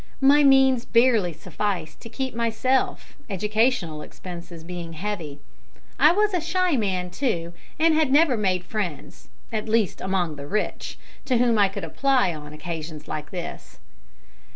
My means barely sufficed to keep myself, educational expenses being heavy. I was a shy man, too, and had never made friends at least among the rich to whom I could apply on occasions like this.